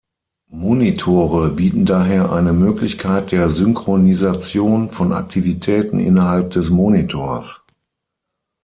Monitore bieten daher eine Möglichkeit der Synchronisation von Aktivitäten innerhalb des Monitors.